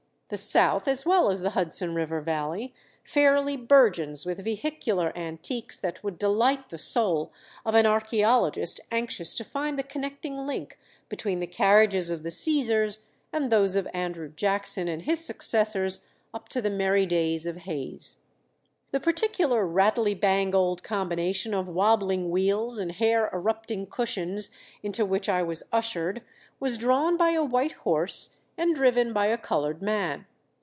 The South, as well as the Hudson River Valley, fairly burgeons with vehicular antiques that would delight the soul of an archæologist anxious to find the connecting link between the carriages of the Cæsars and those of Andrew Jackson and his successors up to the merry days of Hayes. The particular rattledy bang old combination of wabbling wheels and hair erupting cushions into which I was ushered was drawn by a white horse, and driven by a colored man.